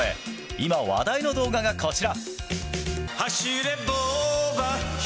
今話題の動画がこちら。